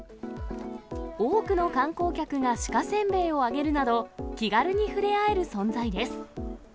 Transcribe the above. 多くの観光客が鹿せんべいをあげるなど、気軽に触れ合える存在です。